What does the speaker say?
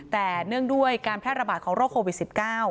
แต่เนื่องด้วยการแพร่ระบาดของโรคโควิด๑๙